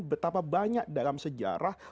betapa banyak dalam sejarah